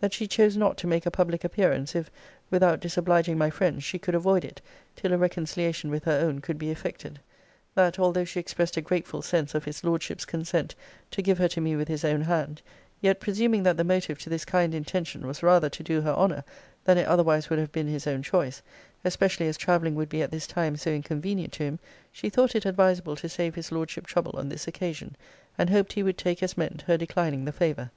That she chose not to make a public appearance, if, without disobliging my friends, she could avoid it, till a reconciliation with her own could be effected. That although she expressed a grateful sense of his Lordship's consent to give her to me with his own hand; yet, presuming that the motive to this kind intention was rather to do her honour, than it otherwise would have been his own choice, (especially as travelling would be at this time so inconvenient to him,) she thought it advisable to save his Lordship trouble on this occasion; and hoped he would take as meant her declining the favour.